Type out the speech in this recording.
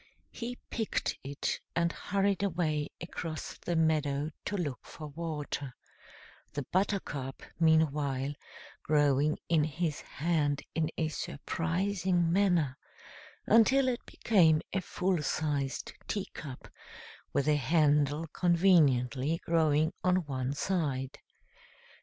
He picked it, and hurried away across the meadow to look for water, the buttercup, meanwhile, growing in his hand in a surprising manner, until it became a full sized teacup, with a handle conveniently growing on one side.